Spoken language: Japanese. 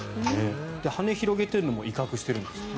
羽を広げているのも威嚇しているんですって。